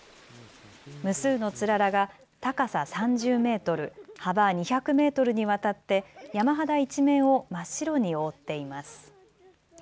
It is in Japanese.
無数のつららが高さ３０メートル、幅２００メートルにわたって山肌一面を真っ白に覆っています。